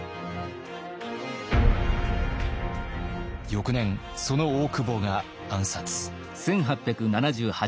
翌年その大久保が暗殺。